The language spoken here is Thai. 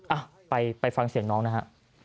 อ่ะไปฟังเสียงน้องนะฮะ